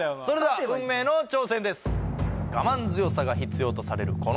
それでは運命の挑戦です我慢強さが必要とされる